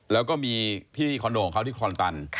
แล้วก็มีที่คอนโดของเขาที่คอนตัน